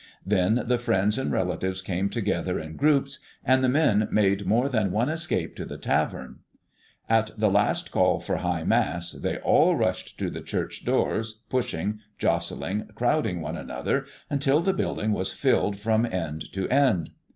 Then the friends and relatives came together in groups, and the men made more than one escape to the tavern. At the last call for High Mass they all rushed to the church doors, pushing, jostling, crowding one another, until the building was filled from end to end.